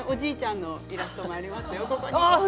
おじいちゃん